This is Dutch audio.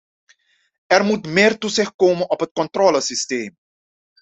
Er moet meer toezicht komen op het controlesysteem.